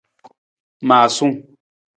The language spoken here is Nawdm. Maasung.